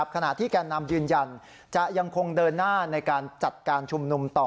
ขณะที่แก่นำยืนยันจะยังคงเดินหน้าในการจัดการชุมนุมต่อ